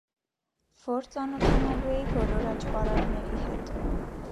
Որ ծանոթանալու էի բոլոր աճպարարների հետ։